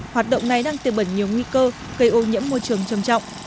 hoạt động này đang tiêu bẩn nhiều nguy cơ cây ô nhiễm môi trường trầm trọng